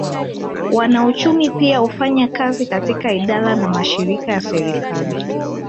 Wanauchumi pia hufanya kazi katika idara na mashirika ya serikali